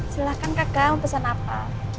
silahkan kakak mau pesan apa